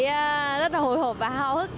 em cảm thấy rất là hồi hộp và hào hức